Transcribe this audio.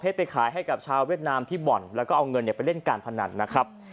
ที่หม่อนแล้วก็เอาเงินไปเล่นการพนันนะครับ